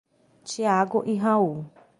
Tiago e Raul.